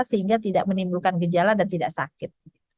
sehingga tidak menimbulkan gejala dan tidak sakit